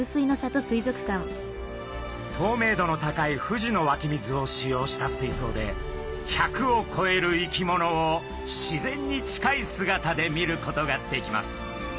とうめい度の高い富士のわき水を使用したすいそうで１００をこえる生き物を自然に近い姿で見ることができます。